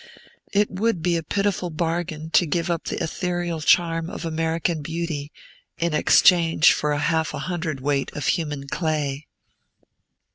It would be a pitiful bargain to give up the ethereal charm of American beauty in exchange for half a hundred weight of human clay!